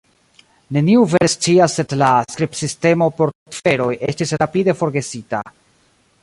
Neniu vere scias sed la skribsistemo por ciferoj estis rapide forgesita